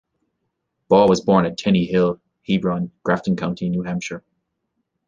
Ball was born at Tenny Hill, Hebron, Grafton County, New Hampshire.